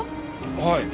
はい。